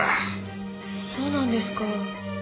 そうなんですか。